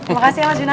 makasih ya mas duna